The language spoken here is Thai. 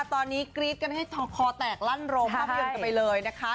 ตอนนี้กรี๊ดกันให้คอแตกลั่นโรงภาพยนตร์กันไปเลยนะคะ